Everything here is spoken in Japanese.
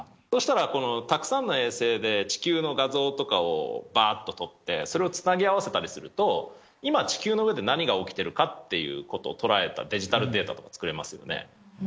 そしたらたくさんの衛星で地球の画像とかをばーっととって、それをつなぎ合わせたりすると、今、地球の上で何が起きてるかっていうことを捉えたデジタルデータとか作れますよね。